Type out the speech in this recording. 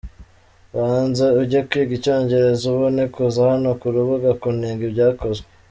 banza ujye kwiga icyongereza, ubone kuza hano ku rubuga kunenga ibyakozwe !.